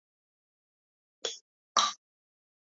ქორწინება უბედური აღმოჩნდა.